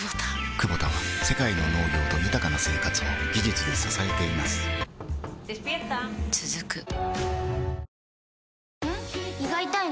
クボタは世界の農業と豊かな生活を技術で支えています起きて。